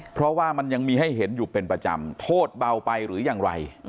เพราะว่ามันยังมีให้เห็นอยู่เป็นประจำโทษเบาไปหรือยังไร